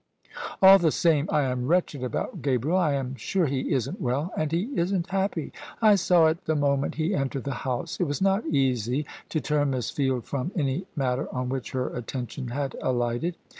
"All the same, I am wretched about Gabriel. I am sure he isn't well and he isn't happy. I saw it the moment he entered the house." It was not easy to turn Miss Field from any matter on which her attention had alighted.